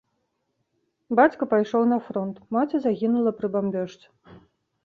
Бацька пайшоў на фронт, маці загінула пры бамбёжцы.